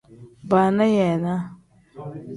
Baana yeenaa.